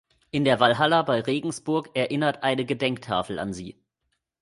In der Walhalla bei Regensburg erinnert eine Gedenktafel an sie.